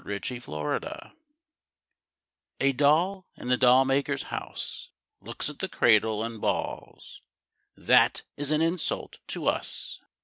II THE DOLLS A doll in the doll maker's house Looks at the cradle and balls: 'That is an insult to us.'